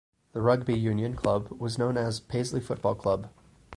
The rugby union club was known as Paisley Football Club.